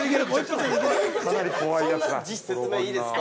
◆説明いいですか。